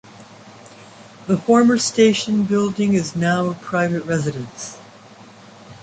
The former station building is now a private residence.